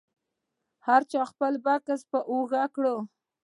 هر چا خپل بکس په اوږه کړ.